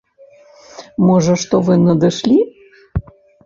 Можа, што вы надышлі?